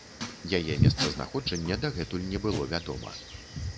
Яе месцазнаходжанне дагэтуль не было вядома.